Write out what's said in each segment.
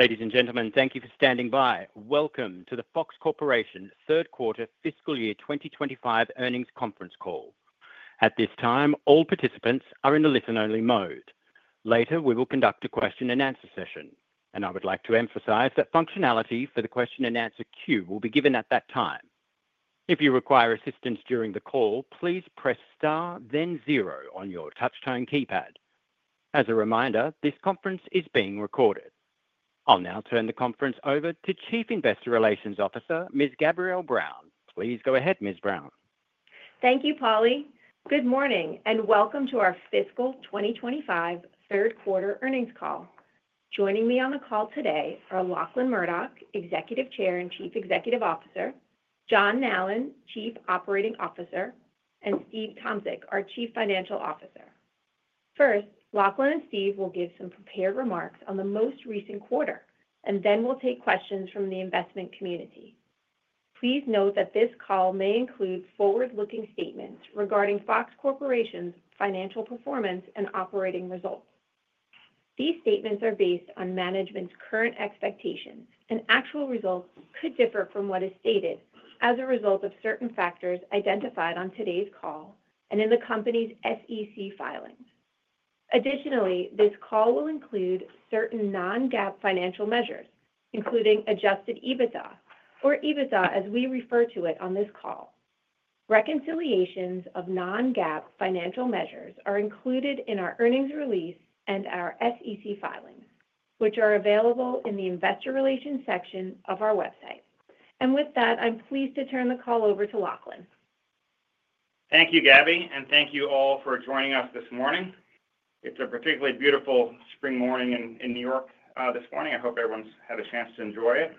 Ladies and gentlemen, thank you for standing by. Welcome to the Fox Corporation Third Quarter Fiscal Year 2025 Earnings Conference Call. At this time, all participants are in the listen-only mode. Later, we will conduct a Q&A session, and I would like to emphasize that functionality for the Q&A queue will be given at that time. If you require assistance during the call, please press star, then zero on your touchtone keypad. As a reminder, this conference is being recorded. I'll now turn the conference over to Chief Investor Relations Officer, Ms. Gabrielle Brown. Please go ahead, Ms. Brown. Thank you, Polly. Good morning and welcome to our Fiscal 2025 Third Quarter Earnings Call. Joining me on the call today are Lachlan Murdoch, Executive Chair and Chief Executive Officer; John Nallen, Chief Operating Officer; and Steve Tomsic, our Chief Financial Officer. First, Lachlan and Steve will give some prepared remarks on the most recent quarter, and then we'll take questions from the investment community. Please note that this call may include forward-looking statements regarding Fox Corporation's financial performance and operating results. These statements are based on management's current expectations, and actual results could differ from what is stated as a result of certain factors identified on today's call and in the company's SEC filings. Additionally, this call will include certain non-GAAP financial measures, including adjusted EBITDA, or EBITDA as we refer to it on this call. Reconciliations of non-GAAP financial measures are included in our earnings release and our SEC filings, which are available in the Investor Relations section of our website. I am pleased to turn the call over to Lachlan. Thank you, Gabby, and thank you all for joining us this morning. It is a particularly beautiful spring morning in N.Y. this morning. I hope everyone's had a chance to enjoy it.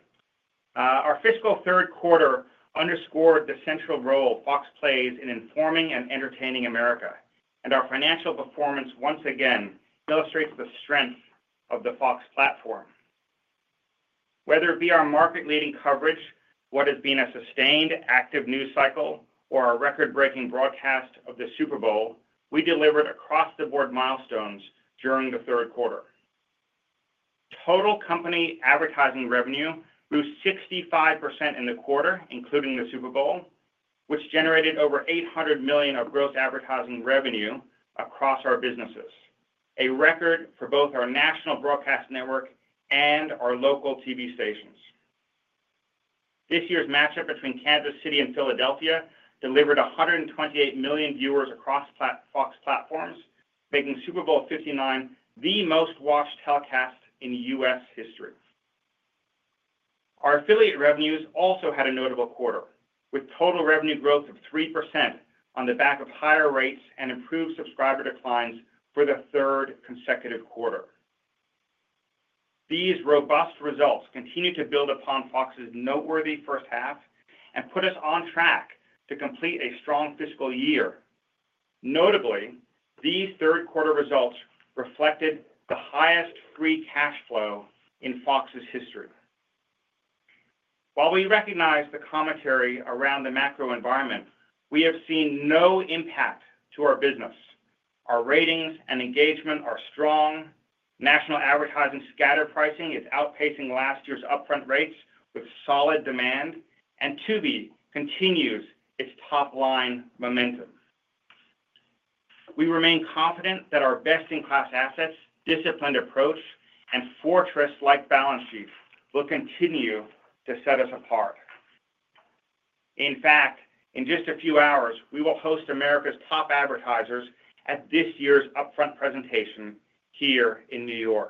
Our fiscal third quarter underscored the central role Fox plays in informing and entertaining America, and our financial performance once again illustrates the strength of the Fox platform. Whether it be our market-leading coverage, what has been a sustained active news cycle, or our record-breaking broadcast of the Super Bowl, we delivered across-the-board milestones during the third quarter. Total company advertising revenue grew 65% in the quarter, including the Super Bowl, which generated over $800 million of gross advertising revenue across our businesses, a record for both our national broadcast network and our local TV stations. This year's matchup between Kansas City and Philadelphia delivered 128 million viewers across Fox platforms, making Super Bowl LIX the most-watched telecast in U.S. history. Our affiliate revenues also had a notable quarter, with total revenue growth of 3% on the back of higher rates and improved subscriber declines for the third consecutive quarter. These robust results continue to build upon Fox's noteworthy first half and put us on track to complete a strong fiscal year. Notably, these third quarter results reflected the highest free cash flow in Fox's history. While we recognize the commentary around the macro environment, we have seen no impact to our business. Our ratings and engagement are strong. National advertising scatter pricing is outpacing last year's upfront rates with solid demand, and Tubi continues its top line momentum. We remain confident that our best-in-class assets, disciplined approach, and fortress-like balance sheet will continue to set us apart. In fact, in just a few hours, we will host America's top advertisers at this year's upfront presentation here in N.Y.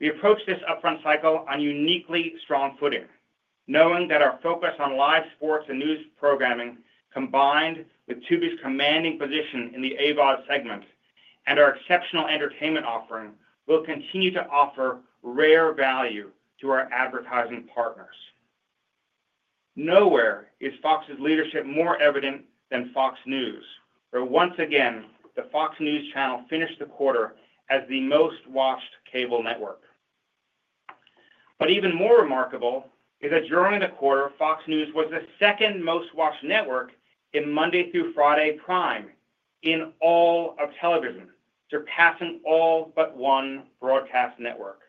We approach this upfront cycle on uniquely strong footing, knowing that our focus on live sports and news programming, combined with Tubi's commanding position in the AVOD segment and our exceptional entertainment offering, will continue to offer rare value to our advertising partners. Nowhere is Fox's leadership more evident than Fox News, where once again the Fox News Channel finished the quarter as the most-watched cable network. Even more remarkable is that during the quarter, Fox News was the second most-watched network in Monday through Friday Prime in all of television, surpassing all but one broadcast network.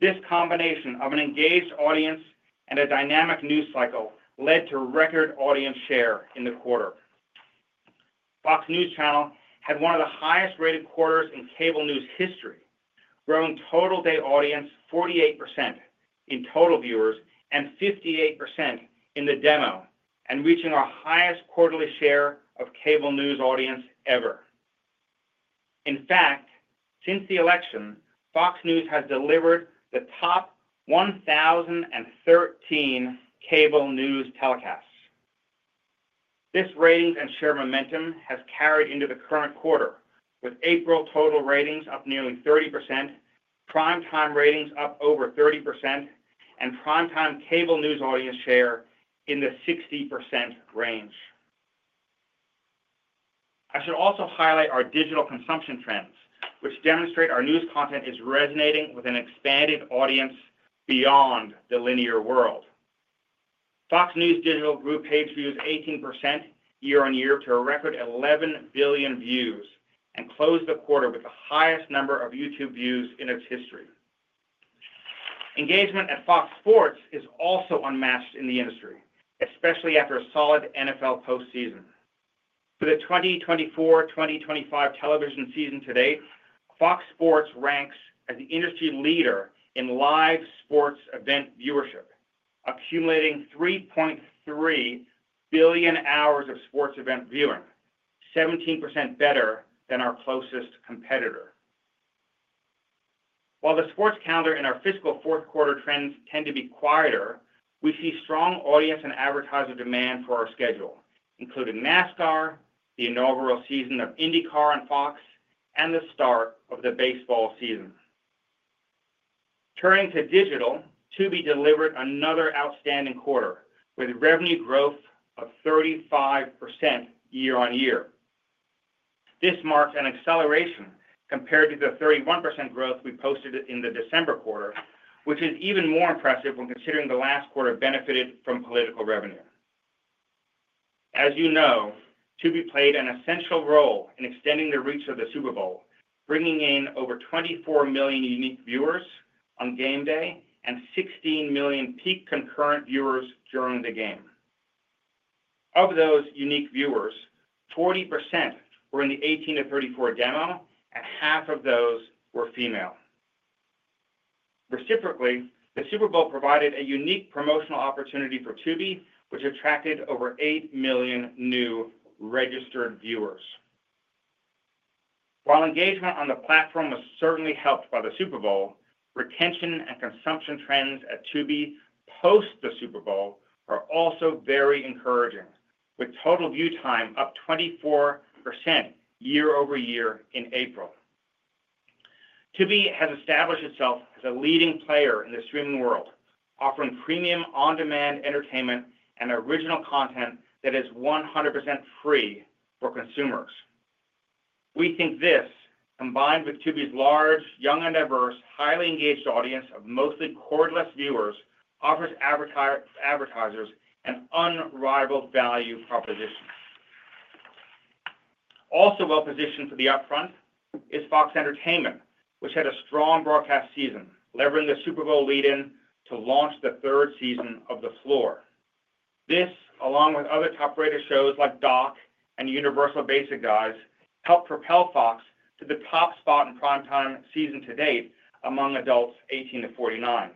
This combination of an engaged audience and a dynamic news cycle led to record audience share in the quarter. Fox News Channel had one of the highest-rated quarters in cable news history, growing total day audience 48% in total viewers and 58% in the demo, and reaching our highest quarterly share of cable news audience ever. In fact, since the election, Fox News has delivered the top 1,013 cable news telecasts. This ratings and share momentum has carried into the current quarter, with April total ratings up nearly 30%, primetime ratings up over 30%, and primetime cable news audience share in the 60% range. I should also highlight our digital consumption trends, which demonstrate our news content is resonating with an expanded audience beyond the linear world. Fox News Digital Group page views 18% year-on-year to a record 11 billion views and closed the quarter with the highest number of YouTube views in its history. Engagement at Fox Sports is also unmatched in the industry, especially after a solid NFL postseason. For the 2024-2025 television season to date, Fox Sports ranks as the industry leader in live sports event viewership, accumulating 3.3 billion hours of sports event viewing, 17% better than our closest competitor. While the sports calendar and our fiscal fourth quarter trends tend to be quieter, we see strong audience and advertiser demand for our schedule, including NASCAR, the inaugural season of INDYCAR on Fox, and the start of the baseball season. Turning to digital, Tubi delivered another outstanding quarter with revenue growth of 35% year-on-year. This marks an acceleration compared to the 31% growth we posted in the December quarter, which is even more impressive when considering the last quarter benefited from political revenue. As you know, Tubi played an essential role in extending the reach of the Super Bowl, bringing in over 24 million unique viewers on game day and 16 million peak concurrent viewers during the game. Of those unique viewers, 40% were in the 18-34 demo, and half of those were female. Reciprocally, the Super Bowl provided a unique promotional opportunity for Tubi, which attracted over 8 million new registered viewers. While engagement on the platform was certainly helped by the Super Bowl, retention and consumption trends at Tubi post the Super Bowl are also very encouraging, with total view time up 24% year-over-year in April. Tubi has established itself as a leading player in the streaming world, offering premium on-demand entertainment and original content that is 100% free for consumers. We think this, combined with Tubi's large, young, and diverse, highly engaged audience of mostly cordless viewers, offers advertisers an unrivaled value proposition. Also well-positioned for the upfront is Fox Entertainment, which had a strong broadcast season, levering the Super Bowl lead-in to launch the third season of The Floor. This, along with other top-rated shows like Doc and Universal Basic Guys, helped propel Fox to the top spot in primetime season to date among adults 18-49.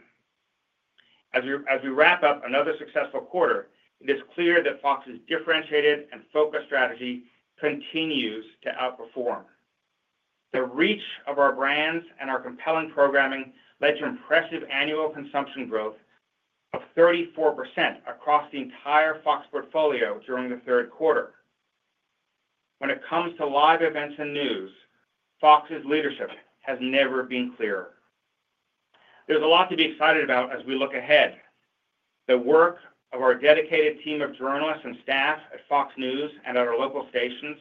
As we wrap up another successful quarter, it is clear that Fox's differentiated and focused strategy continues to outperform. The reach of our brands and our compelling programming led to impressive annual consumption growth of 34% across the entire Fox portfolio during the third quarter. When it comes to live events and news, Fox's leadership has never been clearer. There's a lot to be excited about as we look ahead. The work of our dedicated team of journalists and staff at Fox News and at our local stations,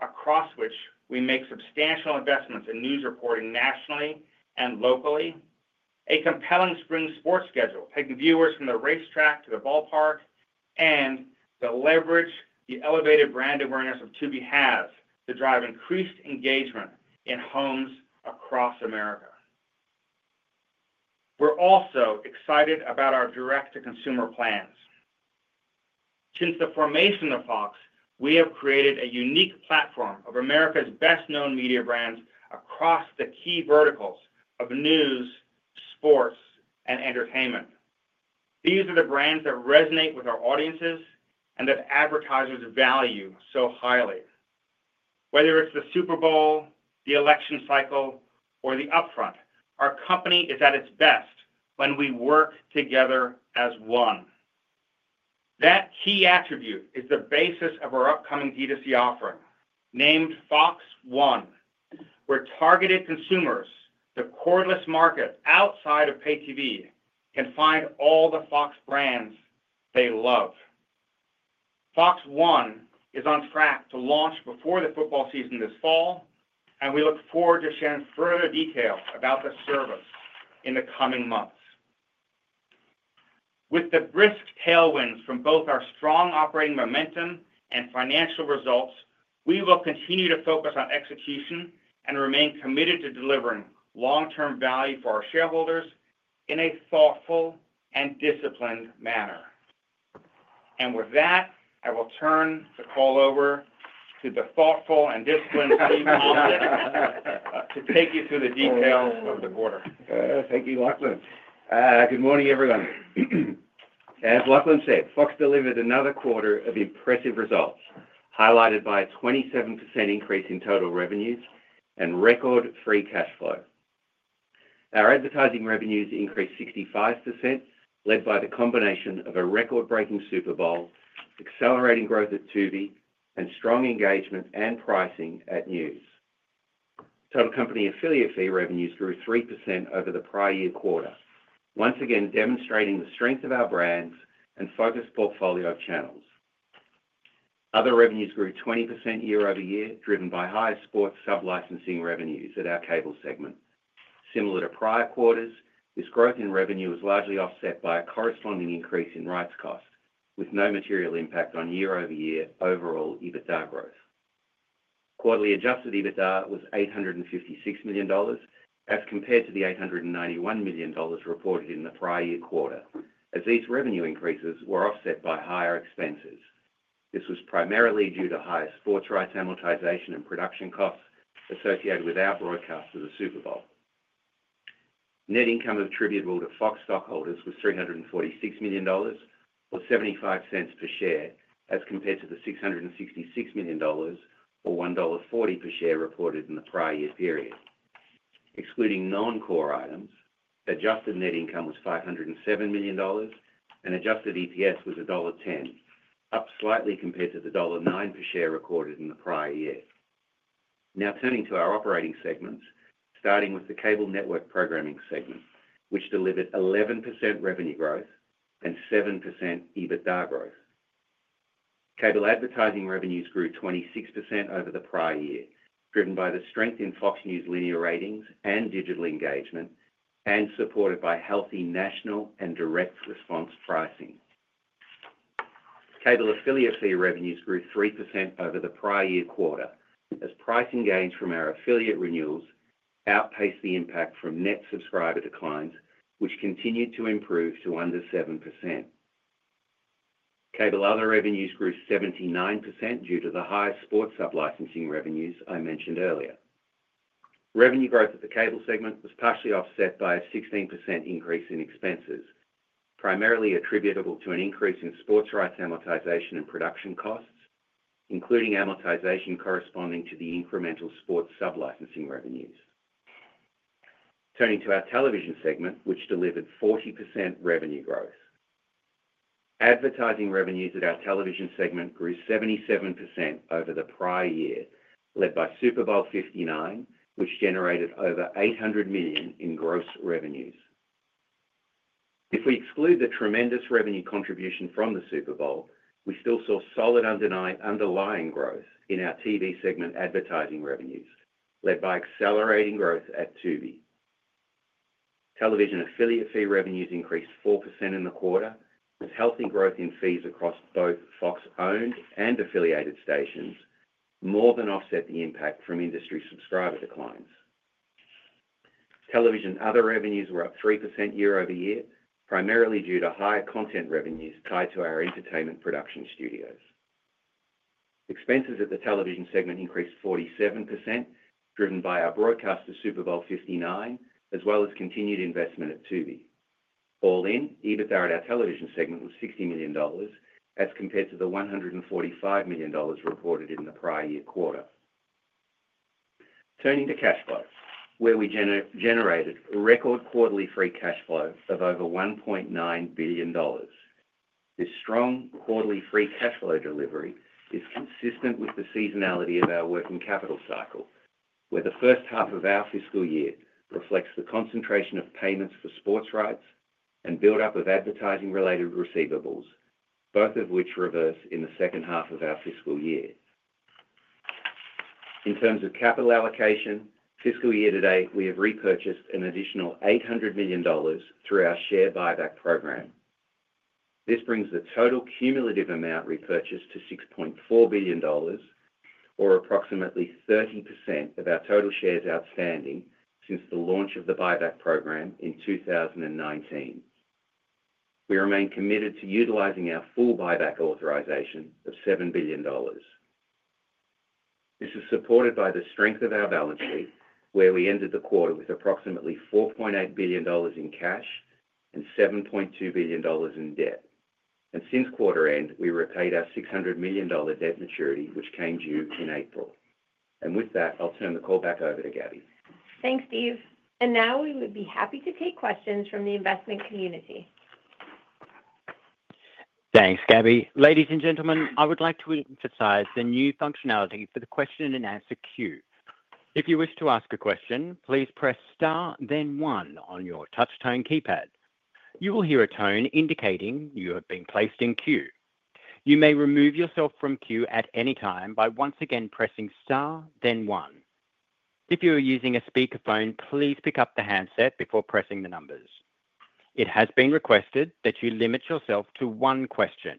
across which we make substantial investments in news reporting nationally and locally, a compelling spring sports schedule taking viewers from the racetrack to the ballpark, and the leverage the elevated brand awareness of Tubi has to drive increased engagement in homes across America. We are also excited about our direct-to-consumer plans. Since the formation of Fox, we have created a unique platform of America's best-known media brands across the key verticals of news, sports, and entertainment. These are the brands that resonate with our audiences and that advertisers value so highly. Whether it is the Super Bowl, the election cycle, or the upfront, our company is at its best when we work together as one. That key attribute is the basis of our upcoming D2C offering, named Fox One, where targeted consumers, the cordless market outside of pay TV, can find all the Fox brands they love. Fox One is on track to launch before the football season this fall, and we look forward to sharing further details about the service in the coming months. With the brisk tailwinds from both our strong operating momentum and financial results, we will continue to focus on execution and remain committed to delivering long-term value for our shareholders in a thoughtful and disciplined manner. I will turn the call over to the thoughtful and disciplined team of Lachlan to take you through the details of the quarter. Thank you, Lachlan. Good morning, everyone. As Lachlan said, Fox delivered another quarter of impressive results, highlighted by a 27% increase in total revenues and record free cash flow. Our advertising revenues increased 65%, led by the combination of a record-breaking Super Bowl, accelerating growth at Tubi, and strong engagement and pricing at news. Total company affiliate fee revenues grew 3% over the prior year quarter, once again demonstrating the strength of our brands and focused portfolio of channels. Other revenues grew 20% year-over-year, driven by higher sports sub-licensing revenues at our cable segment. Similar to prior quarters, this growth in revenue was largely offset by a corresponding increase in rights cost, with no material impact on year-over-year overall EBITDA growth. Quarterly adjusted EBITDA was $856 million, as compared to the $891 million reported in the prior quarter, as these revenue increases were offset by higher expenses. This was primarily due to higher sports rights amortization and production costs associated with our broadcast of the Super Bowl. Net income attributable to Fox stockholders was $346 million, or $0.75 per share, as compared to the $666 million, or $1.40 per share reported in the prior year period. Excluding non-core items, adjusted net income was $507 million, and adjusted EPS was $1.10, up slightly compared to the $1.09 per share recorded in the prior year. Now turning to our operating segments, starting with the cable network programming segment, which delivered 11% revenue growth and 7% EBITDA growth. Cable advertising revenues grew 26% over the prior year, driven by the strength in Fox News linear ratings and digital engagement, and supported by healthy national and direct response pricing. Cable affiliate fee revenues grew 3% over the prior year quarter, as price engaged from our affiliate renewals outpaced the impact from net subscriber declines, which continued to improve to under 7%. Cable other revenues grew 79% due to the high sports sub-licensing revenues I mentioned earlier. Revenue growth at the cable segment was partially offset by a 16% increase in expenses, primarily attributable to an increase in sports rights amortization and production costs, including amortization corresponding to the incremental sports sub-licensing revenues. Turning to our television segment, which delivered 40% revenue growth. Advertising revenues at our television segment grew 77% over the prior year, led by Super Bowl LIX, which generated over $800 million in gross revenues. If we exclude the tremendous revenue contribution from the Super Bowl, we still saw solid underlying growth in our TV segment advertising revenues, led by accelerating growth at Tubi. Television affiliate fee revenues increased 4% in the quarter, with healthy growth in fees across both Fox-owned and affiliated stations, more than offset the impact from industry subscriber declines. Television other revenues were up 3% year-over-year, primarily due to higher content revenues tied to our entertainment production studios. Expenses at the television segment increased 47%, driven by our broadcast of Super Bowl LIX, as well as continued investment at Tubi. All in, EBITDA at our television segment was $60 million, as compared to the $145 million reported in the prior year quarter. Turning to cash flow, where we generated record quarterly free cash flow of over $1.9 billion. This strong quarterly free cash flow delivery is consistent with the seasonality of our working capital cycle, where the first half of our fiscal year reflects the concentration of payments for sports rights and build-up of advertising-related receivables, both of which reverse in the second half of our fiscal year. In terms of capital allocation, fiscal year to date, we have repurchased an additional $800 million through our share buyback program. This brings the total cumulative amount repurchased to $6.4 billion, or approximately 30% of our total shares outstanding since the launch of the buyback program in 2019. We remain committed to utilizing our full buyback authorization of $7 billion. This is supported by the strength of our balance sheet, where we ended the quarter with approximately $4.8 billion in cash and $7.2 billion in debt. Since quarter end, we repaid our $600 million debt maturity, which came due in April. With that, I'll turn the call back over to Gabby. Thanks, Steve. We would be happy to take questions from the investment community. Thanks, Gabby. Ladies and gentlemen, I would like to emphasize the new functionality for the question and answer queue. If you wish to ask a question, please press star, then one on your touch-tone keypad. You will hear a tone indicating you have been placed in queue. You may remove yourself from queue at any time by once again pressing star, then one. If you are using a speakerphone, please pick up the handset before pressing the numbers. It has been requested that you limit yourself to one question.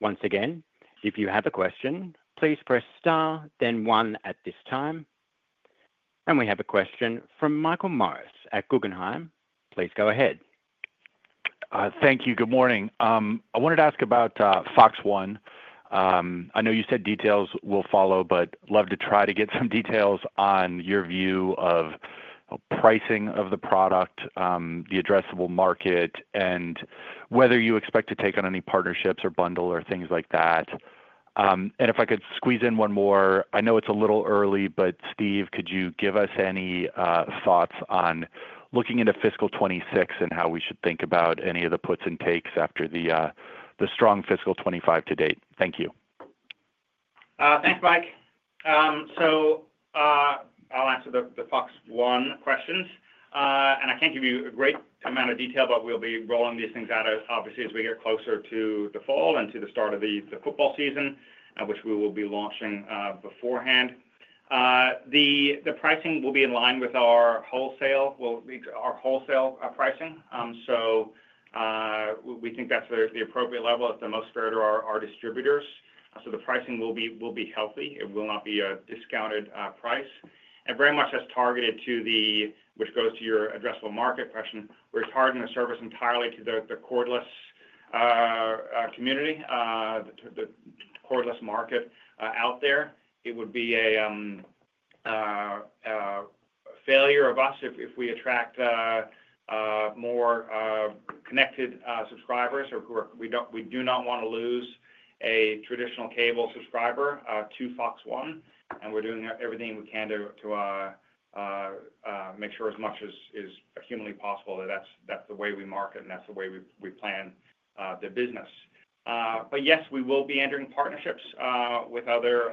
Once again, if you have a question, please press star, then one at this time. We have a question from Michael Morris at Guggenheim. Please go ahead. Thank you. Good morning. I wanted to ask about Fox One. I know you said details will follow, but I'd love to try to get some details on your view of pricing of the product, the addressable market, and whether you expect to take on any partnerships or bundle or things like that. If I could squeeze in one more, I know it's a little early, but Steve, could you give us any thoughts on looking into fiscal 2026 and how we should think about any of the puts and takes after the strong fiscal 2025 to date? Thank you. Thanks, Mike. I'll answer the Fox One questions. I can't give you a great amount of detail, but we'll be rolling these things out, obviously, as we get closer to the fall and to the start of the football season, which we will be launching beforehand. The pricing will be in line with our wholesale pricing. We think that's the appropriate level that's the most fair to our distributors. The pricing will be healthy. It will not be a discounted price. Very much as targeted to the, which goes to your addressable market question, we're targeting the service entirely to the cordless community, the cordless market out there. It would be a failure of us if we attract more connected subscribers or we do not want to lose a traditional cable subscriber to Fox One. We're doing everything we can to make sure as much as humanly possible that that's the way we market and that's the way we plan the business. Yes, we will be entering partnerships with other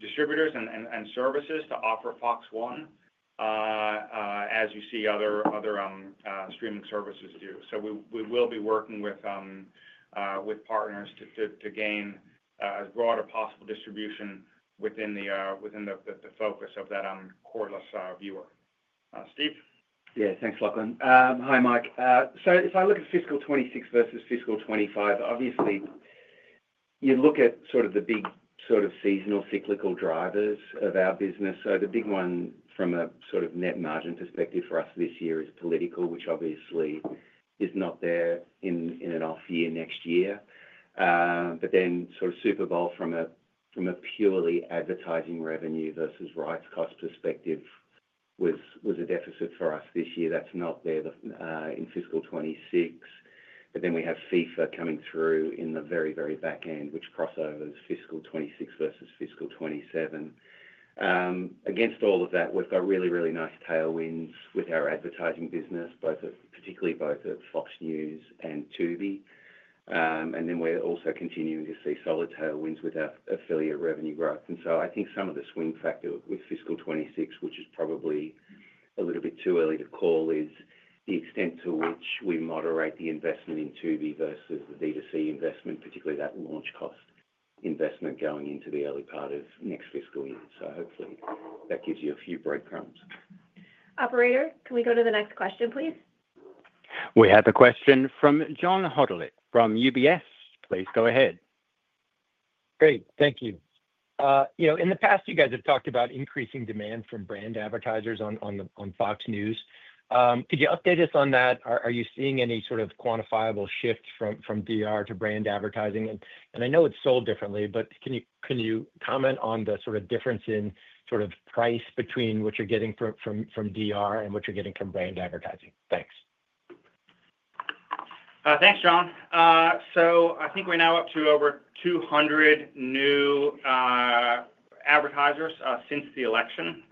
distributors and services to offer Fox One, as you see other streaming services do. We will be working with partners to gain as broad a possible distribution within the focus of that cordless viewer. Steve? Yeah. Thanks, Lachlan. Hi, Mike. If I look at fiscal 2026 versus fiscal 2025, obviously, you look at sort of the big sort of seasonal cyclical drivers of our business. The big one from a sort of net margin perspective for us this year is political, which obviously is not there in an off-year next year. Super Bowl, from a purely advertising revenue versus rights cost perspective, was a deficit for us this year. That's not there in fiscal 2026. We have FIFA coming through in the very, very back end, which crossovers fiscal 2026 versus fiscal 2027. Against all of that, we've got really, really nice tailwinds with our advertising business, particularly both at Fox News and Tubi. We're also continuing to see solid tailwinds with our affiliate revenue growth. I think some of the swing factor with fiscal 2026, which is probably a little bit too early to call, is the extent to which we moderate the investment in Tubi versus the D2C investment, particularly that launch cost investment going into the early part of next fiscal year. Hopefully, that gives you a few breadcrumbs. Operator, can we go to the next question, please? We have a question from John Hodulik from UBS. Please go ahead. Great. Thank you. In the past, you guys have talked about increasing demand from brand advertisers on Fox News. Could you update us on that? Are you seeing any sort of quantifiable shift from DR to brand advertising? I know it's sold differently, but can you comment on the sort of difference in sort of price between what you're getting from DR and what you're getting from brand advertising? Thanks. Thanks, John. I think we're now up to over 200 new advertisers since the election.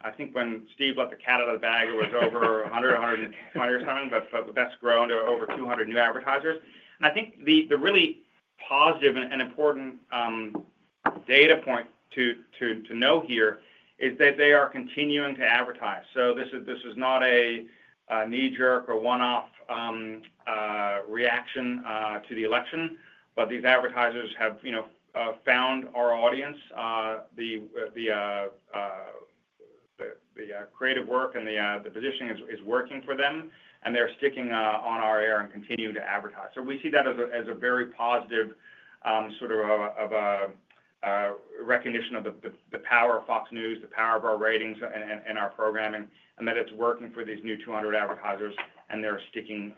I think when Steve let the cat out of the bag, it was over 100, 120 or something, but that's grown to over 200 new advertisers. I think the really positive and important data point to know here is that they are continuing to advertise. This is not a knee-jerk or one-off reaction to the election, but these advertisers have found our audience. The creative work and the positioning is working for them, and they're sticking on our air and continuing to advertise. We see that as a very positive sort of recognition of the power of Fox News, the power of our ratings and our programming, and that it's working for these new 200 advertisers, and they're sticking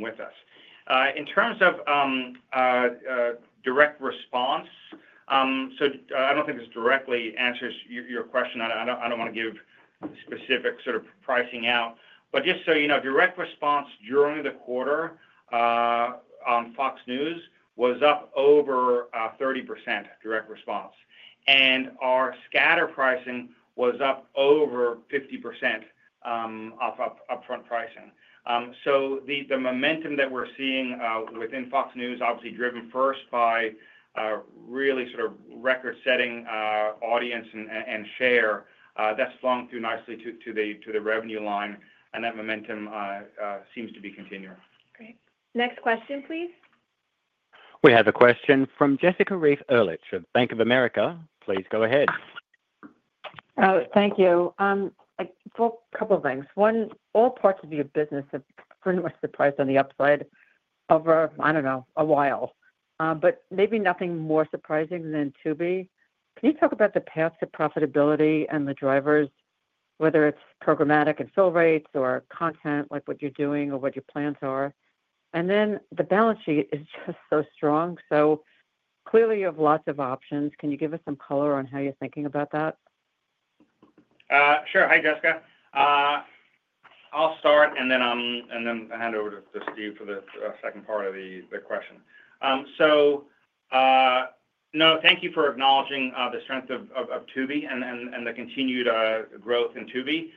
with us. In terms of direct response, I do not think this directly answers your question. I do not want to give specific sort of pricing out. Just so you know, direct response during the quarter on Fox News was up over 30%, direct response. Our scatter pricing was up over 50% off upfront pricing. The momentum that we are seeing within Fox News, obviously driven first by really sort of record-setting audience and share, that has flung through nicely to the revenue line. That momentum seems to be continuing. Great. Next question, please. We have a question from Jessica Reif Ehrlich of Bank of America. Please go ahead. Thank you. For a couple of things. One, all parts of your business have pretty much surprised on the upside over, I don't know, a while. But maybe nothing more surprising than Tubi. Can you talk about the path to profitability and the drivers, whether it's programmatic and fill rates or content, like what you're doing or what your plans are? And then the balance sheet is just so strong. So clearly, you have lots of options. Can you give us some color on how you're thinking about that? Sure. Hi, Jessica. I'll start, and then hand over to Steve for the second part of the question. No, thank you for acknowledging the strength of Tubi and the continued growth in Tubi.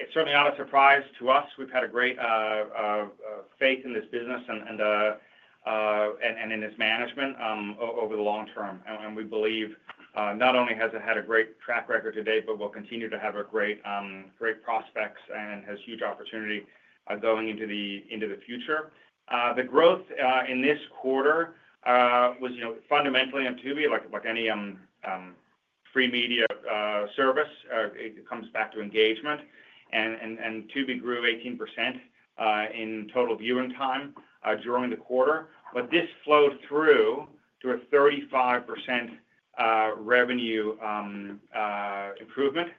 It's certainly not a surprise to us. We've had great faith in this business and in its management over the long term. We believe not only has it had a great track record to date, but will continue to have great prospects and has huge opportunity going into the future. The growth in this quarter was fundamentally on Tubi, like any free media service. It comes back to engagement. Tubi grew 18% in total viewing time during the quarter. This flowed through to a 35% revenue improvement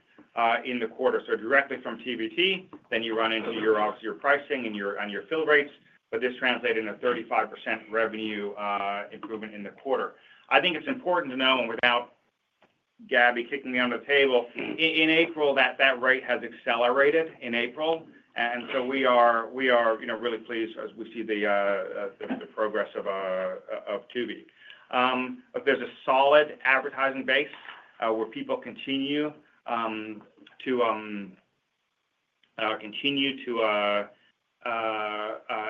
in the quarter. Directly from TBT, then you run into your pricing and your fill rates, but this translated into a 35% revenue improvement in the quarter. I think it's important to know, and without Gabby kicking me under the table, in April, that rate has accelerated in April. We are really pleased as we see the progress of Tubi. There's a solid advertising base where people continue to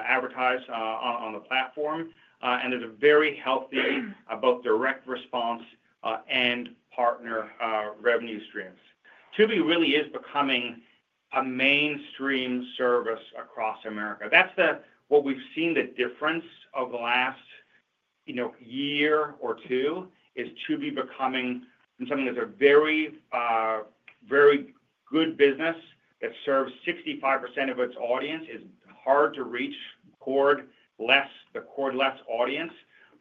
advertise on the platform. There's a very healthy both direct response and partner revenue streams. Tubi really is becoming a mainstream service across America. That's what we've seen the difference over the last year or two is Tubi becoming something that's a very, very good business that serves 65% of its audience. It's hard to reach the cordless audience,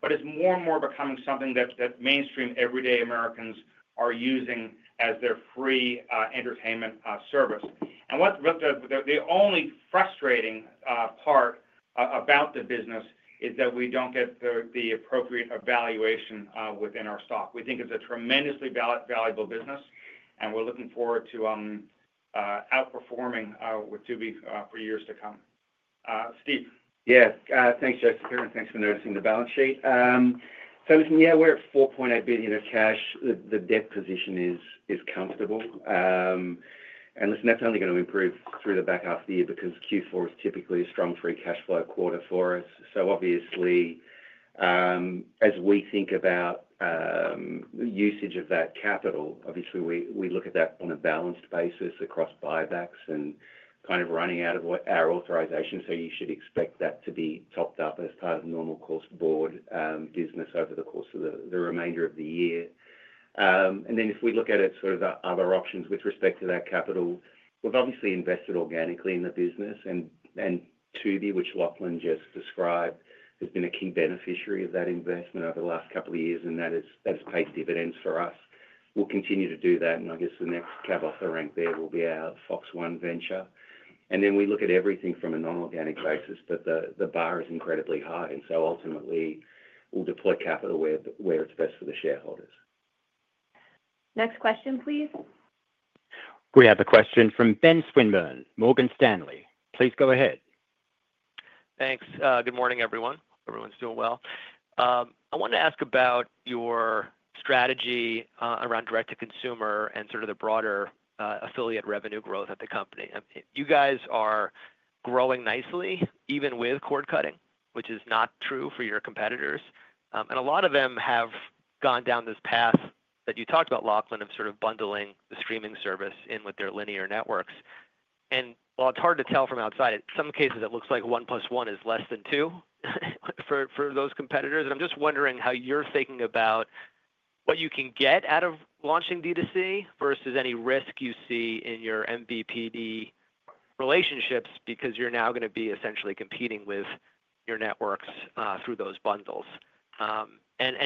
but it's more and more becoming something that mainstream everyday Americans are using as their free entertainment service. The only frustrating part about the business is that we do not get the appropriate evaluation within our stock. We think it is a tremendously valuable business, and we are looking forward to outperforming with Tubi for years to come. Steve. Yeah. Thanks, Jessica. And thanks for noticing the balance sheet. Listen, yeah, we're at $4.8 billion of cash. The debt position is comfortable. Listen, that's only going to improve through the back half of the year because Q4 is typically a strong free cash flow quarter for us. Obviously, as we think about the usage of that capital, obviously, we look at that on a balanced basis across buybacks and kind of running out of our authorization. You should expect that to be topped up as part of normal cost board business over the course of the remainder of the year. If we look at it, sort of the other options with respect to that capital, we've obviously invested organically in the business. Tubi, which Lachlan just described, has been a key beneficiary of that investment over the last couple of years, and that has paid dividends for us. We will continue to do that. I guess the next cab off the rank there will be our Fox One venture. We look at everything from a non-organic basis, but the bar is incredibly high. Ultimately, we will deploy capital where it is best for the shareholders. Next question, please. We have a question from Ben Swinburne, Morgan Stanley. Please go ahead. Thanks. Good morning, everyone. Everyone's doing well. I wanted to ask about your strategy around direct-to-consumer and sort of the broader affiliate revenue growth at the company. You guys are growing nicely, even with cord cutting, which is not true for your competitors. A lot of them have gone down this path that you talked about, Lachlan, of sort of bundling the streaming service in with their linear networks. While it's hard to tell from outside, in some cases, it looks like one plus one is less than two for those competitors. I'm just wondering how you're thinking about what you can get out of launching D2C versus any risk you see in your MVPD relationships because you're now going to be essentially competing with your networks through those bundles.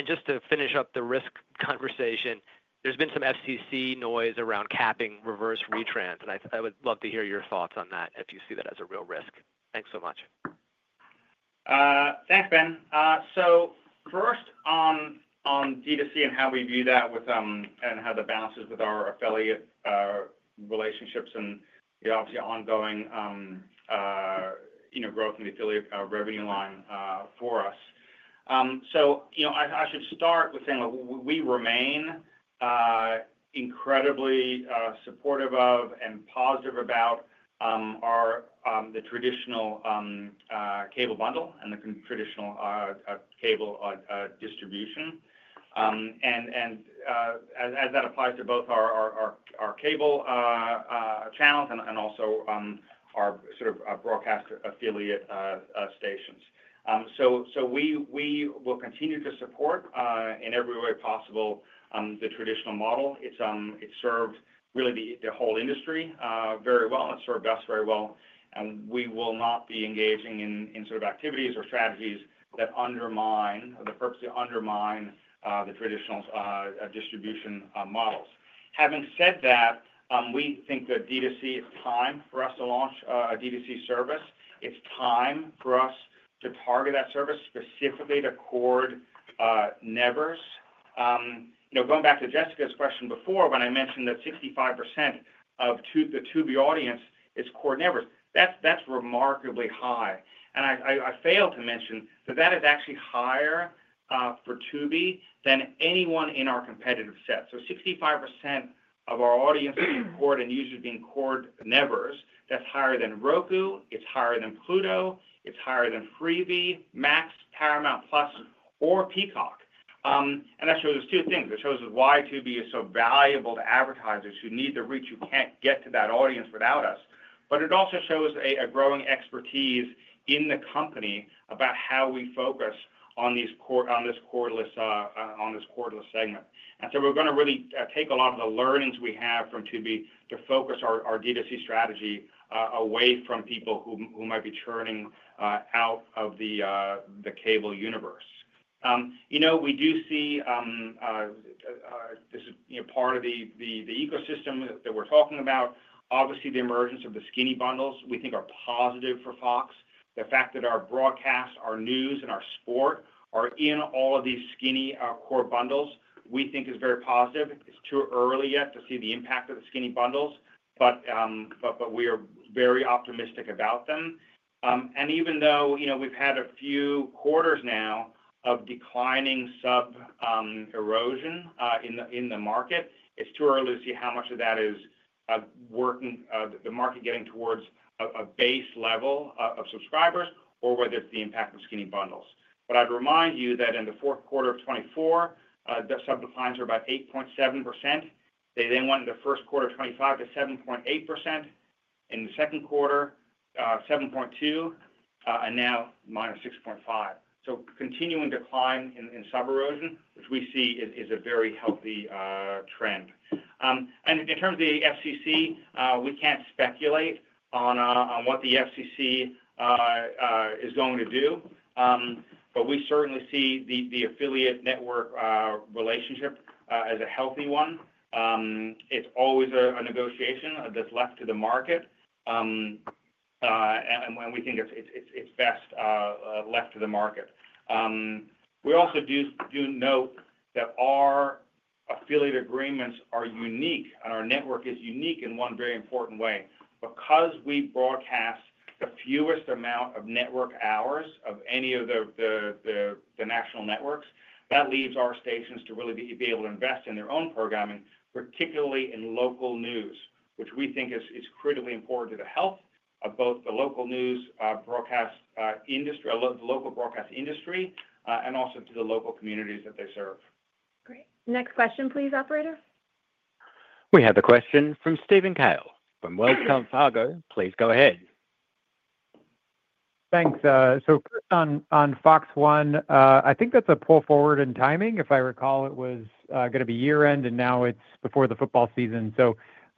Just to finish up the risk conversation, there's been some FCC noise around capping reverse retrans. I would love to hear your thoughts on that if you see that as a real risk. Thanks so much. Thanks, Ben. First on D2C and how we view that with and how that balances with our affiliate relationships and the obviously ongoing growth in the affiliate revenue line for us. I should start with saying we remain incredibly supportive of and positive about the traditional cable bundle and the traditional cable distribution. As that applies to both our cable channels and also our sort of broadcast affiliate stations. We will continue to support in every way possible the traditional model. It has served really the whole industry very well. It has served us very well. We will not be engaging in sort of activities or strategies that undermine the purpose, undermine the traditional distribution models. Having said that, we think that D2C is time for us to launch a D2C service. It is time for us to target that service specifically to cord nevers. Going back to Jessica's question before, when I mentioned that 65% of the Tubi audience is cord nevers, that's remarkably high. I failed to mention that that is actually higher for Tubi than anyone in our competitive set. 65% of our audience is cord and users being cord nevers. That's higher than Roku. It's higher than Pluto. It's higher than Freevee, Max, Paramount Plus, or Peacock. That shows us two things. It shows us why Tubi is so valuable to advertisers who need to reach who can't get to that audience without us. It also shows a growing expertise in the company about how we focus on this cordless segment. We are going to really take a lot of the learnings we have from Tubi to focus our D2C strategy away from people who might be churning out of the cable universe. We do see this is part of the ecosystem that we're talking about. Obviously, the emergence of the skinny bundles we think are positive for Fox. The fact that our broadcast, our news, and our sport are in all of these skinny core bundles, we think is very positive. It is too early yet to see the impact of the skinny bundles, but we are very optimistic about them. Even though we've had a few quarters now of declining sub-erosion in the market, it is too early to see how much of that is working, the market getting towards a base level of subscribers or whether it is the impact of skinny bundles. I would remind you that in the fourth quarter of 2024, sub-declines were about 8.7%. They then went in the first quarter of 2025 to 7.8%. In the second quarter, 7.2%, and now -6.5%. Continuing decline in sub-erosion, which we see is a very healthy trend. In terms of the FCC, we can't speculate on what the FCC is going to do, but we certainly see the affiliate network relationship as a healthy one. It's always a negotiation that's left to the market, and we think it's best left to the market. We also do note that our affiliate agreements are unique, and our network is unique in one very important way. Because we broadcast the fewest amount of network hours of any of the national networks, that leaves our stations to really be able to invest in their own programming, particularly in local news, which we think is critically important to the health of both the local news broadcast industry, the local broadcast industry, and also to the local communities that they serve. Great. Next question, please, operator. We have a question from Steven Klein from Wells Fargo. Please go ahead. Thanks. On Fox One, I think that's a pull forward in timing. If I recall, it was going to be year-end, and now it's before the football season.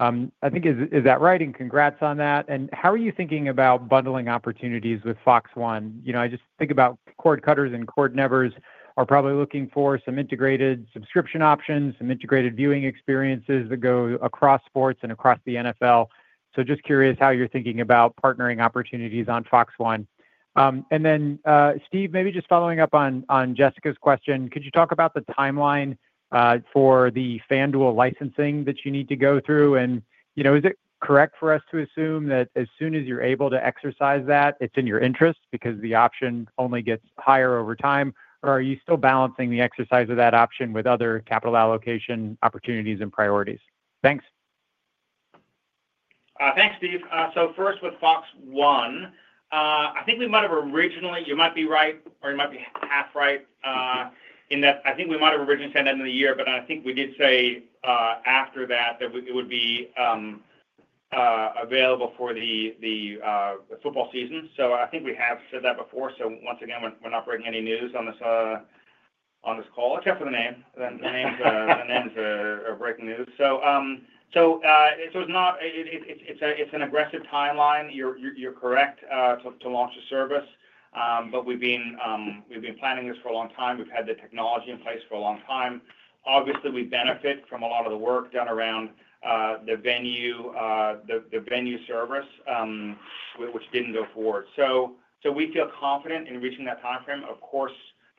I think is that right? Congrats on that. How are you thinking about bundling opportunities with Fox One? I just think about cord cutters and cord nevers are probably looking for some integrated subscription options, some integrated viewing experiences that go across sports and across the NFL. Just curious how you're thinking about partnering opportunities on Fox One. Steve, maybe just following up on Jessica's question, could you talk about the timeline for the FanDuel licensing that you need to go through? Is it correct for us to assume that as soon as you're able to exercise that, it's in your interest because the option only gets higher over time? Are you still balancing the exercise of that option with other capital allocation opportunities and priorities? Thanks. Thanks, Steve. First, with Fox One, I think we might have originally you might be right, or you might be half right in that I think we might have originally said at the end of the year, but I think we did say after that that it would be available for the football season. I think we have said that before. Once again, we're not breaking any news on this call, except for the name. The names are breaking news. It is not it's an aggressive timeline. You're correct to launch a service, but we've been planning this for a long time. We've had the technology in place for a long time. Obviously, we benefit from a lot of the work done around the venue service, which did not go forward. We feel confident in reaching that timeframe. Of course,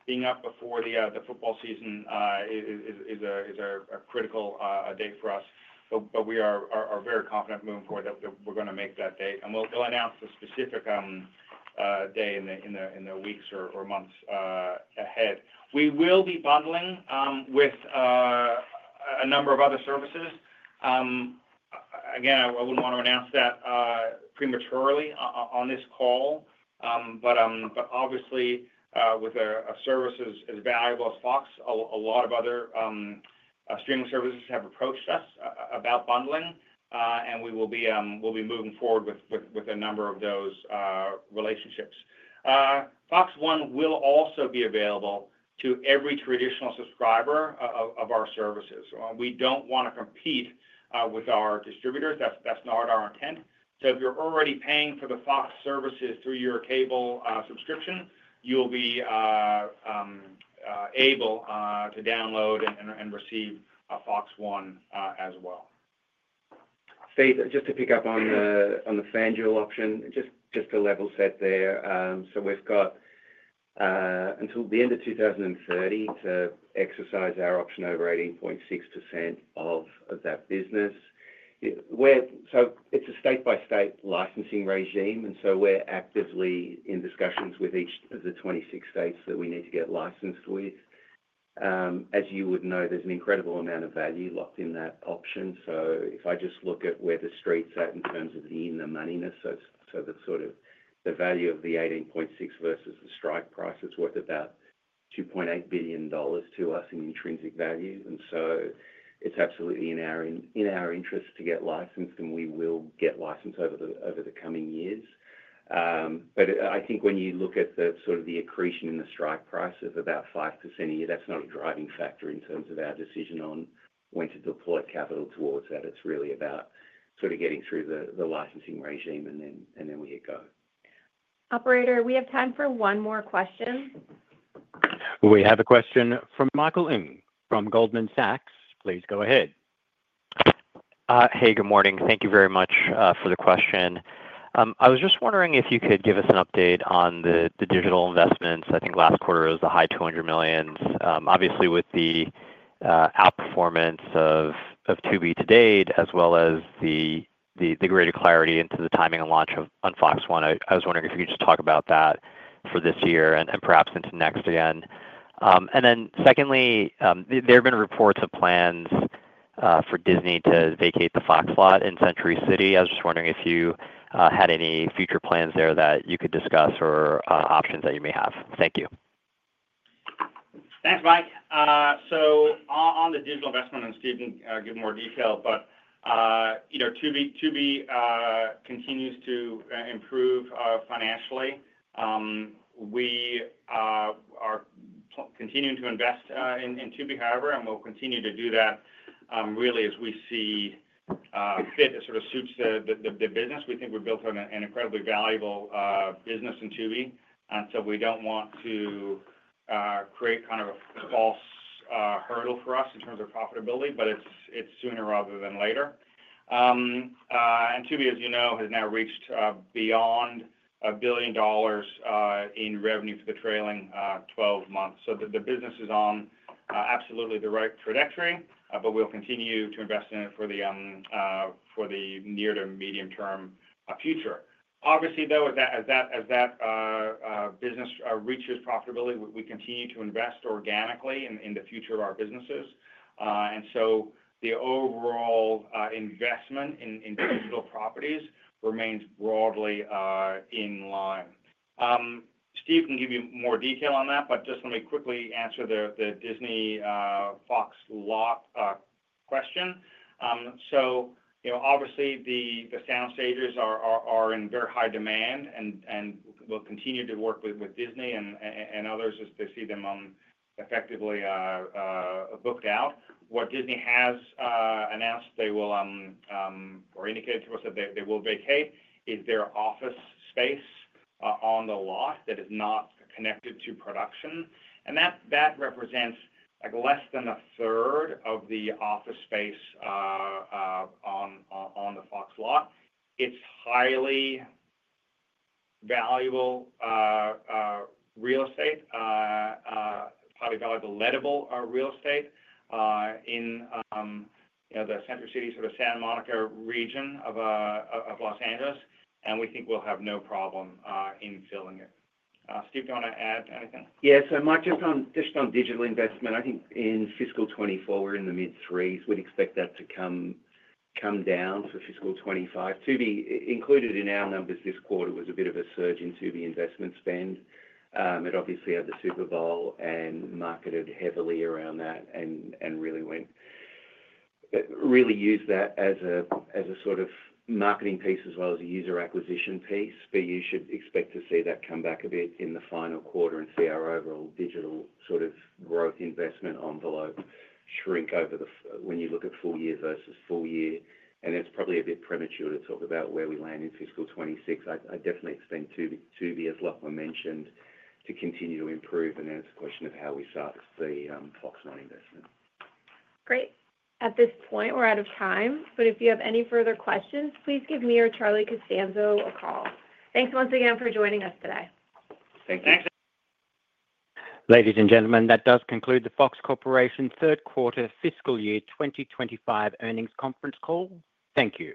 being up before the football season is a critical date for us, but we are very confident moving forward that we're going to make that date. We will announce the specific day in the weeks or months ahead. We will be bundling with a number of other services. Again, I would not want to announce that prematurely on this call, but obviously, with a service as valuable as Fox, a lot of other streaming services have approached us about bundling, and we will be moving forward with a number of those relationships. Fox One will also be available to every traditional subscriber of our services. We do not want to compete with our distributors. That is not our intent. If you are already paying for the Fox services through your cable subscription, you will be able to download and receive Fox One as well. Steve, just to pick up on the FanDuel option, just to level set there. We've got until the end of 2030 to exercise our option over 18.6% of that business. It's a state-by-state licensing regime, and we're actively in discussions with each of the 26 states that we need to get licensed with. As you would know, there's an incredible amount of value locked in that option. If I just look at where the streets are in terms of the in-the-moneyness, so the sort of value of the 18.6% versus the strike price, it's worth about $2.8 billion to us in intrinsic value. It's absolutely in our interest to get licensed, and we will get licensed over the coming years. I think when you look at sort of the accretion in the strike price of about 5% a year, that's not a driving factor in terms of our decision on when to deploy capital towards that. It's really about sort of getting through the licensing regime, and then we hit go. Operator, we have time for one more question. We have a question from Michael Ng from Goldman Sachs. Please go ahead. Hey, good morning. Thank you very much for the question. I was just wondering if you could give us an update on the digital investments. I think last quarter was the high $200 million. Obviously, with the outperformance of Tubi to date, as well as the greater clarity into the timing and launch on Fox One, I was wondering if you could just talk about that for this year and perhaps into next again? Secondly, there have been reports of plans for Disney to vacate the Fox Lot in Century City. I was just wondering if you had any future plans there that you could discuss or options that you may have? Thank you. Thanks, Mike. On the digital investment, and Steven can give more detail, but Tubi continues to improve financially. We are continuing to invest in Tubi, however, and we'll continue to do that really as we see fit as sort of suits the business. We think we've built an incredibly valuable business in Tubi, and we do not want to create kind of a false hurdle for us in terms of profitability, but it is sooner rather than later. Tubi, as you know, has now reached beyond $1 billion in revenue for the trailing 12 months. The business is on absolutely the right trajectory, but we'll continue to invest in it for the near to medium-term future. Obviously, though, as that business reaches profitability, we continue to invest organically in the future of our businesses. The overall investment in digital properties remains broadly in line. Steve can give you more detail on that, but just let me quickly answer the Disney Fox Lot question. Obviously, the soundstages are in very high demand, and we'll continue to work with Disney and others as they see them effectively booked out. What Disney has announced they will, or indicated to us that they will vacate, is their office space on the lot that is not connected to production. That represents less than a third of the office space on the Fox Lot. It's highly valuable real estate, highly valuable, lettable real estate in the Century City, sort of Santa Monica region of Los Angeles, and we think we'll have no problem in filling it. Steve, do you want to add anything? Yeah. So Mike, just on digital investment, I think in fiscal 2024, we're in the mid-threes. We'd expect that to come down for fiscal 2025. Tubi included in our numbers this quarter was a bit of a surge in Tubi investment spend. It obviously had the Super Bowl and marketed heavily around that and really used that as a sort of marketing piece as well as a user acquisition piece. You should expect to see that come back a bit in the final quarter and see our overall digital sort of growth investment envelope shrink over the when you look at full year versus full year. It's probably a bit premature to talk about where we land in fiscal 2026. I definitely expect Tubi, as Lachlan mentioned, to continue to improve and answer the question of how we start to see Fox One investment. Great. At this point, we're out of time, but if you have any further questions, please give me or Charlie Costanzo a call. Thanks once again for joining us today. Thank you. Ladies and gentlemen, that does conclude the Fox Corporation Third Quarter Fiscal Year 2025 Earnings Conference Call. Thank you.